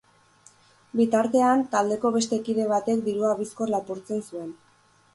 Bitartean, taldeko beste kide batek dirua bizkor lapurtzen zuen.